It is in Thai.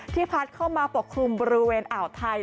พัดเข้ามาปกคลุมบริเวณอ่าวไทย